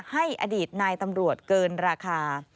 ให้อดีตนายตำรวจเกินราคา